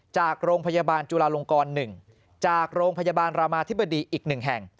จากโรงพยาบาลจุลาลงกร๑จากโรงพยาบาลรามาธิบดีอีก๑แห่ง